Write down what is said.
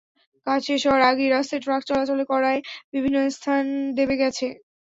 কাজ শেষ হওয়ার আগেই রাস্তায় ট্রাক চলাচল করায় বিভিন্ন স্থান দেবে গেছে।